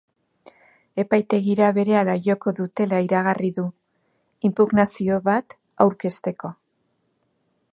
Epaitegira berehala joko dutela iragarri du, inpugnazio bat aurkezteko.